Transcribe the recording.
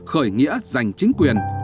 khởi nghĩa giành chính quyền